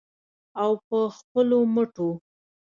او په خپلو مټو.